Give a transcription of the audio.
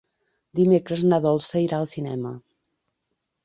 Dimecres na Dolça irà al cinema.